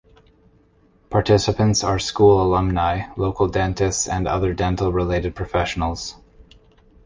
Participants are School alumni, local dentists and other dental-related professionals.